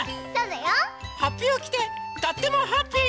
はっぴをきてとってもハッピー！